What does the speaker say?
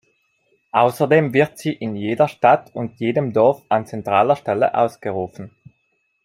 Außerdem wird sie in jeder Stadt und jedem Dorf an zentraler Stelle ausgerufen.